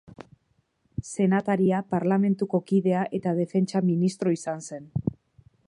Senataria, parlamentuko kidea eta defentsa-ministro izan zen.